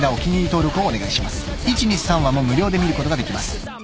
［１・２・３話も無料で見ることができます］